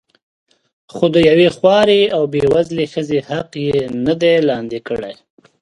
خو د یوې خوارې او بې وزلې ښځې حق یې نه دی لاندې کړی.